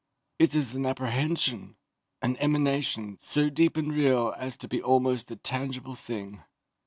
It is an apprehension an emanation so deep and real as to be almost a tangible thing.